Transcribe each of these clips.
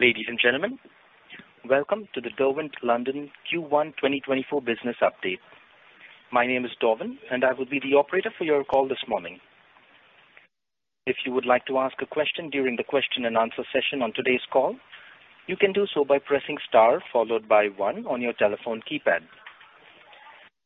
Ladies and gentlemen, welcome to the Derwent London Q1 2024 business update. My name is Derwent, and I will be the operator for your call this morning. If you would like to ask a question during the question-and-answer session on today's call, you can do so by pressing * followed by one on your telephone keypad.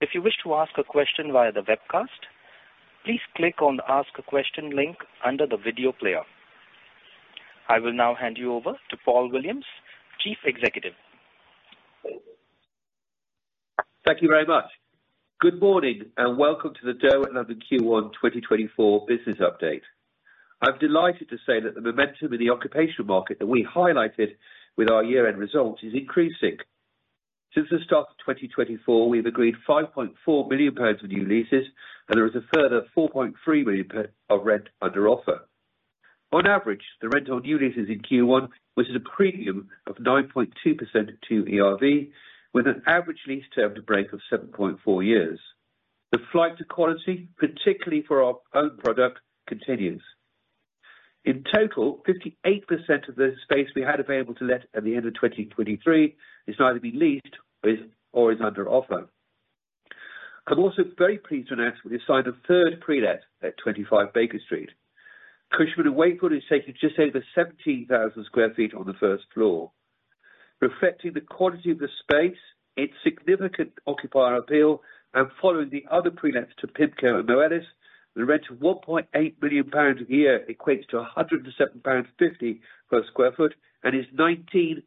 If you wish to ask a question via the webcast, please click on the Ask a Question link under the video player. I will now hand you over to Paul Williams, Chief Executive. Thank you very much. Good morning and welcome to the Derwent London Q1 2024 business update. I'm delighted to say that the momentum in the occupational market that we highlighted with our year-end results is increasing. Since the start of 2024, we've agreed 5.4 million pounds on new leases, and there is a further 4.3 million of rent under offer. On average, the rent on new leases in Q1 was at a premium of 9.2% to ERV, with an average lease term to break of 7.4 years. The flight to quality, particularly for our own product, continues. In total, 58% of the space we had available to let at the end of 2023 has neither been leased nor is under offer. I'm also very pleased to announce that we've signed a third pre-let at 25 Baker Street. Cushman & Wakefield is taking just over 17,000 sq ft on the first floor. Reflecting the quality of the space, its significant occupier appeal, and following the other pre-lets to PIMCO and Moelis, the rent of 1.8 million pounds a year equates to 107.50 pounds per sq ft and is 19%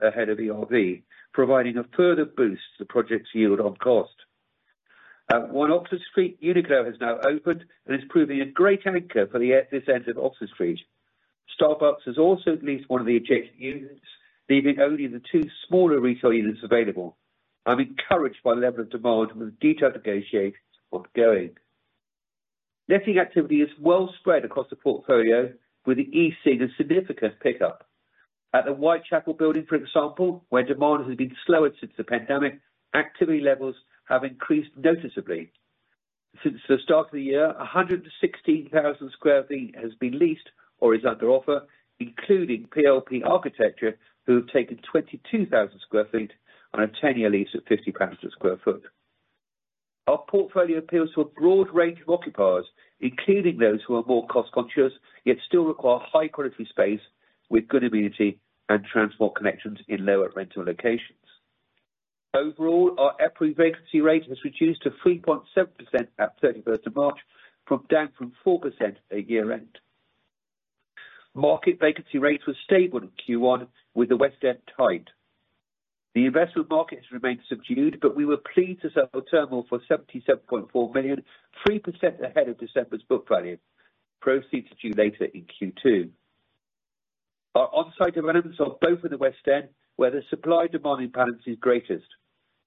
ahead of ERV, providing a further boost to the project's yield on cost. 1 Oxford Street Uniqlo has now opened and is proving a great anchor for this end of Oxford Street. Starbucks has also leased one of the adjacent units, leaving only the two smaller retail units available. I'm encouraged by the level of demand with detailed negotiations ongoing. Letting activity is well spread across the portfolio, with the eSIG a significant pickup. At The Whitechapel Building, for example, where demand has been slower since the pandemic, activity levels have increased noticeably. Since the start of the year, 116,000 sq ft has been leased or is under offer, including PLP Architecture, who have taken 22,000 sq ft on a 10-year lease at 50 pounds per sq ft. Our portfolio appeals to a broad range of occupiers, including those who are more cost-conscious yet still require high-quality space with good amenity and transport connections in lower rental locations. Overall, our EPRA vacancy rate has reduced to 3.7% at 31st of March, down from 4% at year-end. Market vacancy rates were stable in Q1, with the West End tight. The investment market has remained subdued, but we were pleased to sell Turnmill for 77.4 million, 3% ahead of December's book value, proceeds due later in Q2. Our on-site developments are both in the West End, where the supply-demand imbalance is greatest.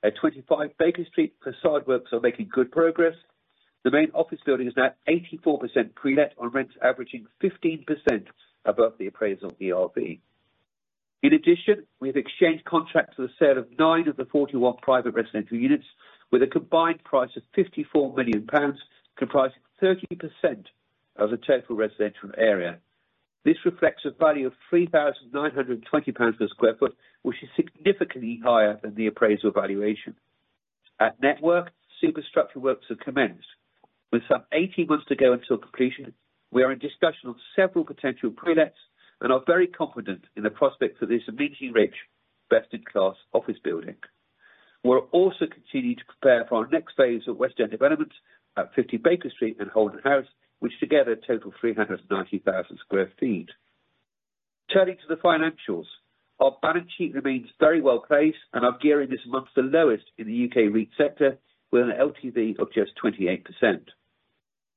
At 25 Baker Street, façade works are making good progress. The main office building is now at 84% pre-let, on rents averaging 15% above the appraisal ERV. In addition, we have exchanged contracts for the sale of nine of the 41 private residential units, with a combined price of 54 million pounds, comprising 30% of the total residential area. This reflects a value of 3,920 pounds per sq ft, which is significantly higher than the appraisal valuation. At Network W1, superstructure works have commenced. With some 18 months to go until completion, we are in discussion on several potential pre-lets and are very confident in the prospect for this amenity-rich, best-in-class office building. We'll also continue to prepare for our next phase of West End developments at 50 Baker Street and Holden House, which together total 390,000 sq ft. Turning to the financials, our balance sheet remains very well placed, and our gearing this month is the lowest in the U.K. REIT sector, with an LTV of just 28%.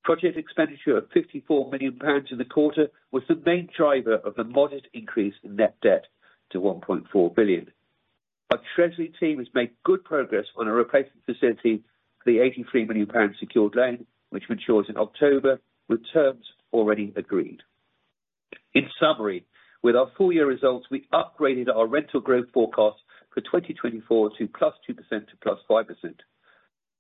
Project expenditure of 54 million pounds in the quarter was the main driver of the modest increase in net debt to 1.4 billion. Our treasury team has made good progress on a replacement facility for the 83 million pounds secured loan, which will ensure it's in October with terms already agreed. In summary, with our full-year results, we upgraded our rental growth forecast for 2024 to +2% to +5%.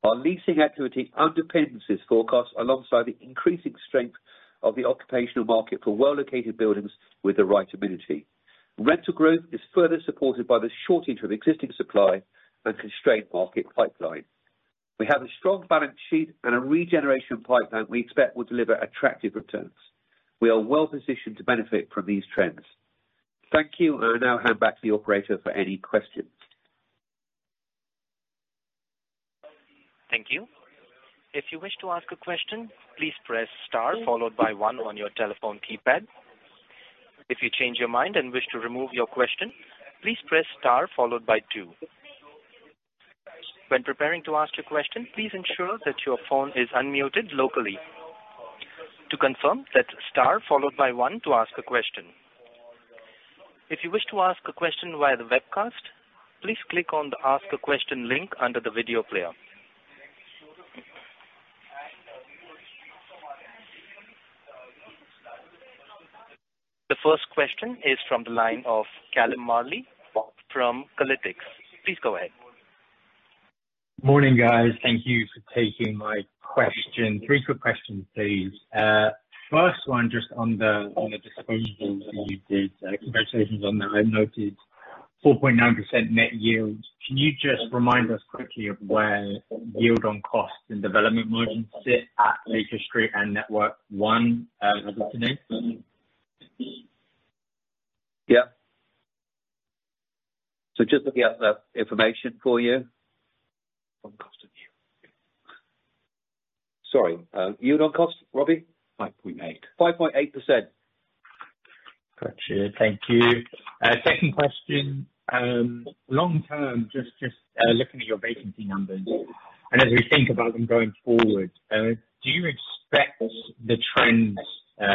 Our leasing activity underpins this forecast alongside the increasing strength of the occupational market for well-located buildings with the right amenity. Rental growth is further supported by the shortage of existing supply and constrained market pipeline. We have a strong balance sheet and a regeneration pipeline we expect will deliver attractive returns. We are well positioned to benefit from these trends. Thank you, and I now hand back to the operator for any questions. Thank you. If you wish to ask a question, please press * followed by one on your telephone keypad. If you change your mind and wish to remove your question, please press * followed by two. When preparing to ask a question, please ensure that your phone is unmuted locally. To confirm, press * followed by one to ask a question. If you wish to ask a question via the webcast, please click on the Ask a Question link under the video player. The first question is from the line of Callum Marley from Colliers. Please go ahead. Morning, guys. Thank you for taking my question. Three quick questions, please. First one, just on the disposals that you did. Congratulations on that. I've noted 4.9% net yield. Can you just remind us quickly of where yield on cost and development margins sit at 25 Baker Street and Network W1 as of today? Yeah. So just looking at the information for you. On cost and yield? Sorry. Yield on cost, Robbie? 5.8. 5.8%. Gotcha. Thank you. Second question. Long term, just looking at your vacancy numbers and as we think about them going forward, do you expect the trends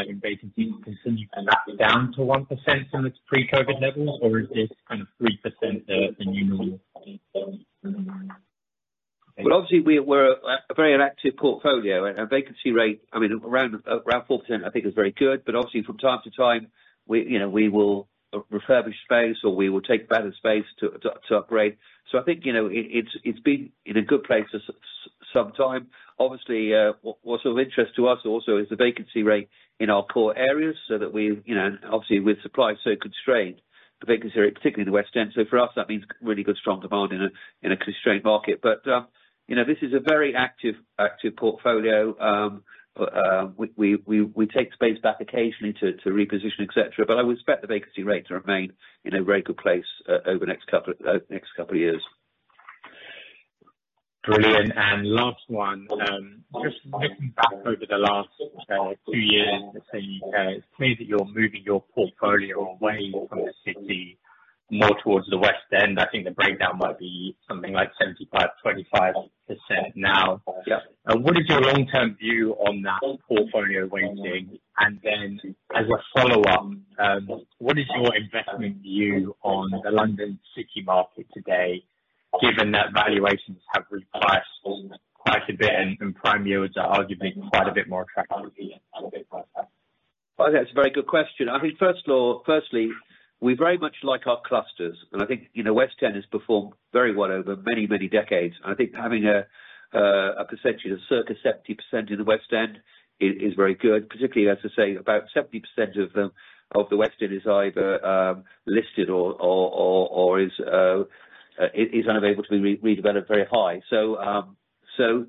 in vacancies to continue to lap down to 1% from its pre-COVID levels, or is this kind of 3% the new normal? Well, obviously, we're a very active portfolio, and a vacancy rate I mean, around 4%, I think, is very good. But obviously, from time to time, we will refurbish space or we will take better space to upgrade. So I think it's been in a good place for some time. Obviously, what's of interest to us also is the vacancy rate in our core areas so that we've and obviously, with supply so constrained, the vacancy rate, particularly in the West End. So for us, that means really good, strong demand in a constrained market. But this is a very active portfolio. We take space back occasionally to reposition, etc., but I would expect the vacancy rate to remain in a very good place over the next couple of years. Brilliant. And last one, just looking back over the last 2 years in the same U.K., it's clear that you're moving your portfolio away from the city more towards the West End. I think the breakdown might be something like 75, 25% now. What is your long-term view on that portfolio weighting? And then as a follow-up, what is your investment view on the London city market today, given that valuations have repriced quite a bit and prime yields are arguably quite a bit more attractive? Okay. That's a very good question. I think, firstly, we very much like our clusters. And I think West End has performed very well over many, many decades. And I think having a percentage of circa 70% in the West End is very good, particularly as to say about 70% of the West End is either listed or is unable to be redeveloped, very high. So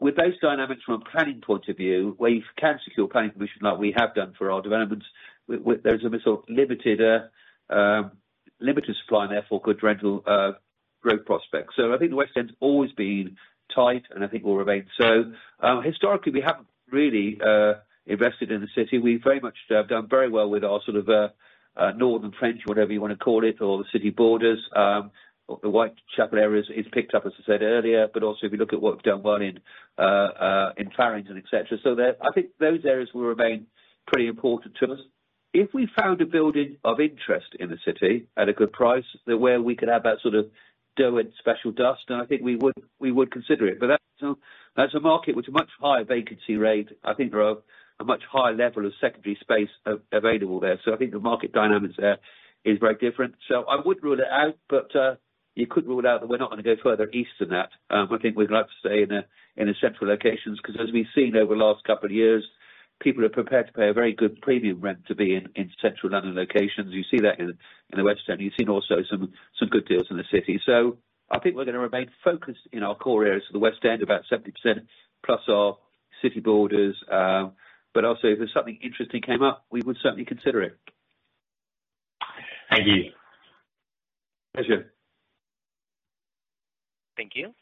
with those dynamics from a planning point of view, where you can secure planning permission like we have done for our developments, there is a sort of limited supply and therefore good rental growth prospects. So I think the West End's always been tight, and I think will remain so. Historically, we haven't really invested in the city. We've very much done very well with our sort of northern fringe, whatever you want to call it, or the city borders. The Whitechapel area has picked up, as I said earlier, but also if you look at what we've done well in Clerkenwell and etc. So I think those areas will remain pretty important to us. If we found a building of interest in the City at a good price where we could have that sort of Derwent and special dust, then I think we would consider it. But that's a market with a much higher vacancy rate. I think there are a much higher level of secondary space available there. So I think the market dynamics there is very different. So I would rule it out, but you could rule it out that we're not going to go further east than that. I think we'd like to stay in the central locations because, as we've seen over the last couple of years, people are prepared to pay a very good premium rent to be in central London locations. You see that in the West End. You've seen also some good deals in the city. So I think we're going to remain focused in our core areas of the West End, about 70% plus our city borders. But also, if something interesting came up, we would certainly consider it. Thank you. Pleasure. Thank you.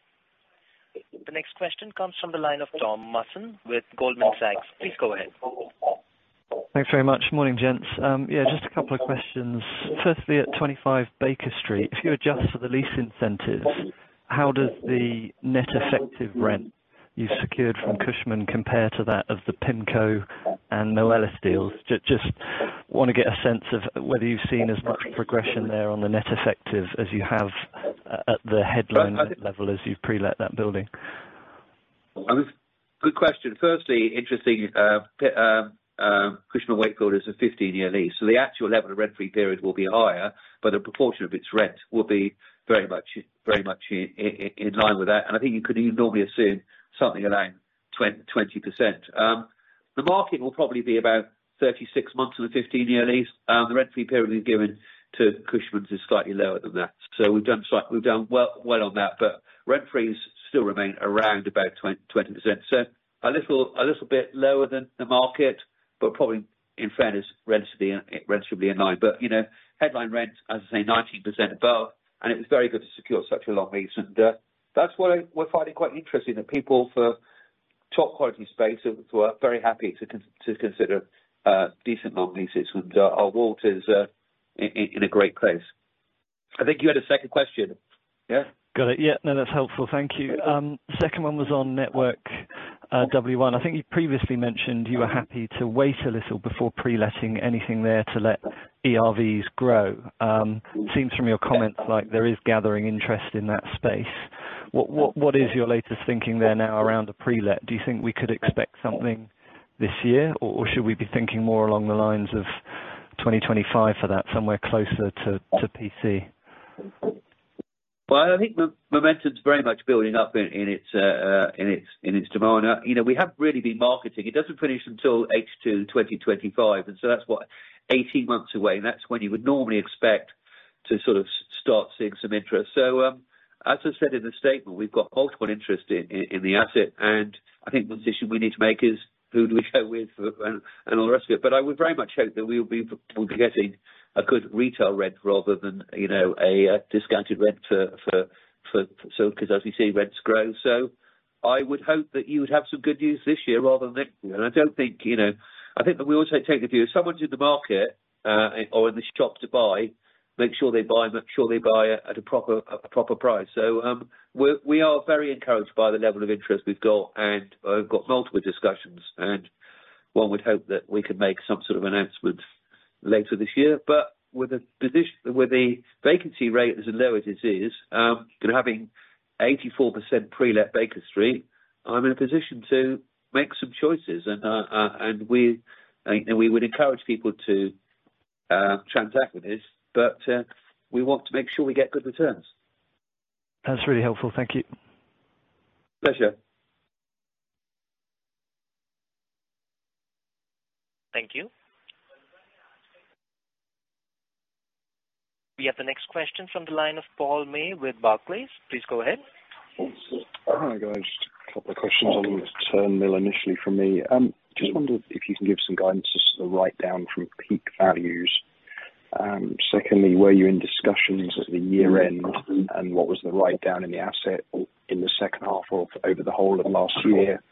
The next question comes from the line of Tom Musson with Goldman Sachs. Please go ahead. Thanks very much. Morning, gents. Yeah, just a couple of questions. Firstly, at 25 Baker Street, if you adjust for the lease incentives, how does the net effective rent you've secured from Cushman compare to that of the PIMCO and Moelis deals? Just want to get a sense of whether you've seen as much progression there on the net effective as you have at the headline level as you pre-let that building. That's a good question. Firstly, interesting, Cushman & Wakefield is a 15-year lease. So the actual level of rent-free period will be higher, but a proportion of its rent will be very much in line with that. And I think you could normally assume something around 20%. The market will probably be about 36 months on a 15-year lease. The rent-free period we've given to Cushman & Wakefield's is slightly lower than that. So we've done well on that, but rent-frees still remain around about 20%. So a little bit lower than the market, but probably, in fairness, relatively in line. But headline rent, as I say, 19% above, and it was very good to secure such a long lease. And that's what we're finding quite interesting, that people for top-quality space were very happy to consider decent long leases. And our WAULT is in a great place. I think you had a second question. Yeah? Got it. Yeah. No, that's helpful. Thank you. Second one was on Network W1. I think you previously mentioned you were happy to wait a little before pre-letting anything there to let ERVs grow. Seems from your comments like there is gathering interest in that space. What is your latest thinking there now around a pre-let? Do you think we could expect something this year, or should we be thinking more along the lines of 2025 for that, somewhere closer to PC? Well, I think momentum's very much building up in its demand. We have really been marketing. It doesn't finish until H2 2025, and so that's 18 months away. And that's when you would normally expect to sort of start seeing some interest. So as I said in the statement, we've got multiple interest in the asset. And I think the decision we need to make is who do we go with and all the rest of it. But I would very much hope that we would be getting a good retail rent rather than a discounted rent because, as we see, rents grow. So I would hope that you would have some good news this year rather than next year. I don't think that we also take the view if someone's in the market or in the shop to buy, make sure they buy at a proper price. So we are very encouraged by the level of interest we've got. And I've got multiple discussions. And one would hope that we could make some sort of announcement later this year. But with the vacancy rate as low as it is, having 84% pre-let Baker Street, I'm in a position to make some choices. And we would encourage people to transact with this, but we want to make sure we get good returns. That's really helpful. Thank you. Pleasure. Thank you. We have the next question from the line of Paul May with Barclays. Please go ahead. Hi, guys. Just a couple of questions on the Turnmill initially from me. Just wondered if you can give some guidance as to the write-down from peak values. Secondly, were you in discussions at the year-end, and what was the write-down in the asset in the second half or over the whole of last year?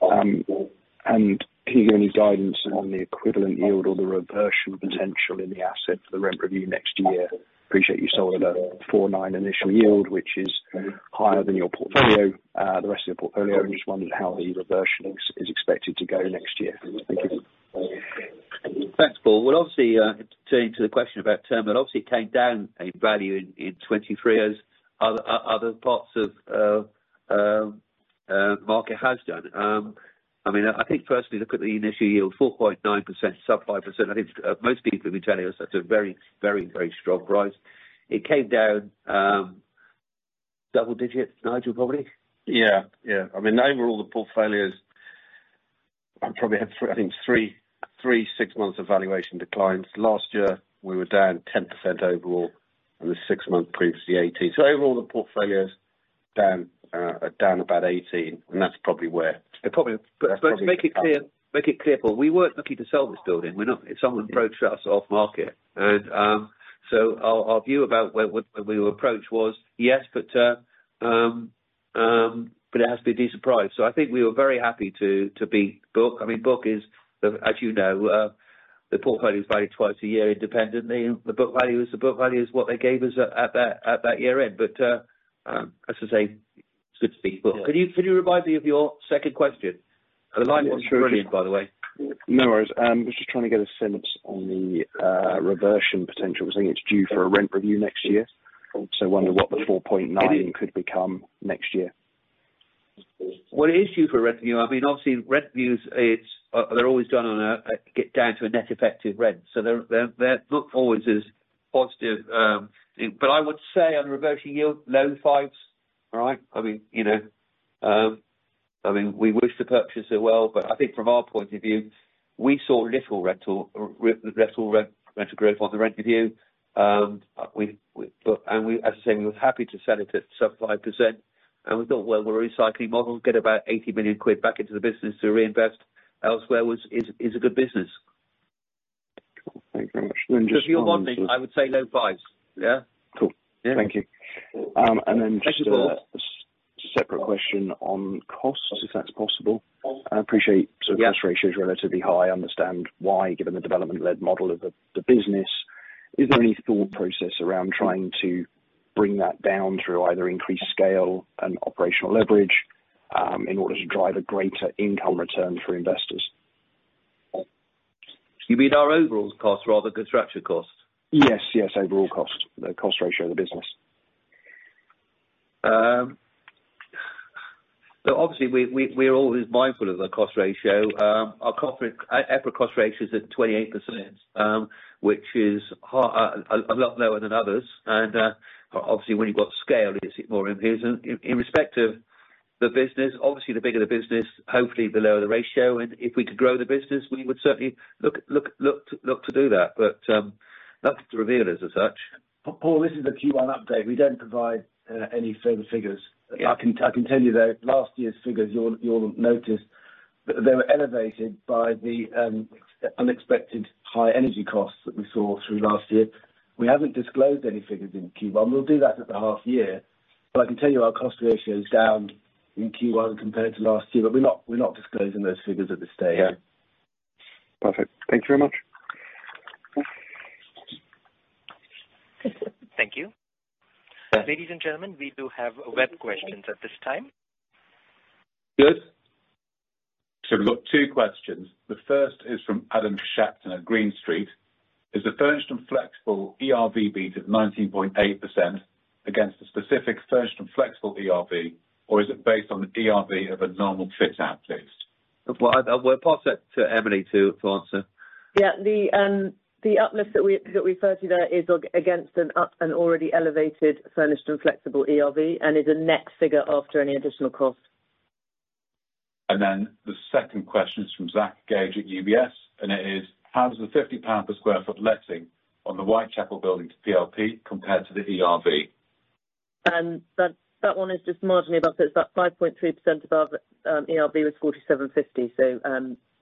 And can you give any guidance on the equivalent yield or the reversion potential in the asset for the rent review next year? Appreciate you sold at a 4.9 initial yield, which is higher than the rest of your portfolio. I just wondered how the reversion is expected to go next year. Thank you. Thanks, Paul. Well, obviously, turning to the question about term, it obviously came down in value in 2023 as other parts of the market have done. I mean, I think, firstly, look at the initial yield, 4.9%, supply percent. I think most people have been telling us that's a very, very, very strong price. It came down double-digit, Nigel, probably? Yeah. Yeah. I mean, overall, the portfolios I probably had, I think, 3 six-months of valuation declines. Last year, we were down 10% overall, and the six-month previously, 18%. So overall, the portfolios are down about 18%, and that's probably where. But make it clear, Paul. We weren't looking to sell this building. Someone approached us off-market. And so our view about when we were approached was, "Yes, but it has to be a decent price." So I think we were very happy to be bought. I mean, book is as you know, the portfolio's valued twice a year independently. The book value is the book value is what they gave us at that year-end. But as I say, it's good to be bought. Can you remind me of your second question? The line was brilliant, by the way. No worries. I was just trying to get a sense on the reversion potential because I think it's due for a rent review next year. So wonder what the 4.9 could become next year? Well, it is due for a rent review. I mean, obviously, rent reviews, they're always done on a get down to a net effective rent. So they're not always as positive. But I would say on reversion yield, low fives, all right? I mean, we wished the purchaser well. But I think from our point of view, we saw little rental growth on the rent review. And as I say, we were happy to sell it at sub-5%. And we thought, "Well, we're a recycling model. Get about 80 million quid back into the business to reinvest elsewhere is a good business. Cool. Thank you very much. Then just one more. So if you're bonding, I would say low fives. Yeah? Cool. Thank you. And then just a separate question on cost, if that's possible. I appreciate sort of cost ratio's relatively high. I understand why, given the development-led model of the business. Is there any thought process around trying to bring that down through either increased scale and operational leverage in order to drive a greater income return for investors? You mean our overall cost rather than construction cost? Yes. Yes. Overall cost, the cost ratio of the business. So obviously, we're always mindful of the cost ratio. Our average cost ratio's at 28%, which is a lot lower than others. And obviously, when you've got scale, it's more implicit. And in respect of the business, obviously, the bigger the business, hopefully, the lower the ratio. And if we could grow the business, we would certainly look to do that. But nothing to reveal as such. Paul, this is a Q1 update. We don't provide any further figures. I can tell you, though, last year's figures, you'll notice, they were elevated by the unexpected high energy costs that we saw through last year. We haven't disclosed any figures in Q1. We'll do that at the half-year. But I can tell you our cost ratio's down in Q1 compared to last year, but we're not disclosing those figures at this stage. Yeah. Perfect. Thank you very much. Thank you. Ladies and gentlemen, we do have web questions at this time. Good. So we've got two questions. The first is from Adam Shapton at Green Street. Is the furnished and flexible ERV beat at 19.8% against a specific furnished and flexible ERV, or is it based on the ERV of a normal fit-out list? Well, we'll pass that to Emily to answer. Yeah. The uplift that we referred to there is against an already elevated furnished and flexible ERV and is a net figure after any additional costs. Then the second question is from Zach Gage at UBS. And it is, "How does the 50 pound per sq ft letting on The Whitechapel Building to PLP compare to the ERV? That one is just marginally above. So it's about 5.3% above. ERV was 47.50. So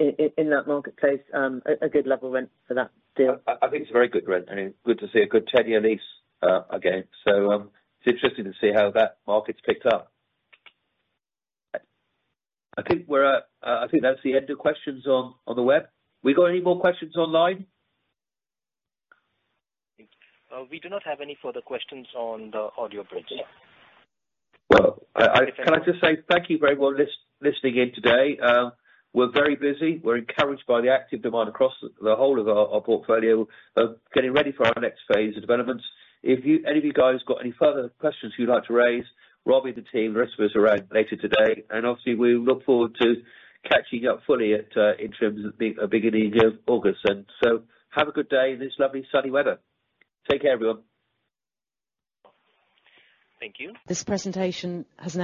in that marketplace, a good level rent for that deal. I think it's a very good rent. I mean, good to see a good 10-year lease again. So it's interesting to see how that market's picked up. I think that's the end of questions on the web. We got any more questions online? We do not have any further questions on the audio bridge. Well, can I just say thank you very much for listening in today. We're very busy. We're encouraged by the active demand across the whole of our portfolio of getting ready for our next phase of developments. If any of you guys got any further questions you'd like to raise, Robbie, the team, the rest of us are around later today. Obviously, we look forward to catching up fully in terms of the beginning of August. So have a good day in this lovely sunny weather. Take care, everyone. Thank you. This presentation has now.